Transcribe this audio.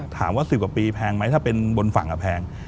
ถามว่า๑๐กว่าปีแพงไหมถ้าเป็นบนฝั่งแพง